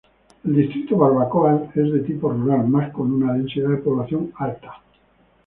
El distrito Barbacoas es de tipo rural más con una densidad de población alta.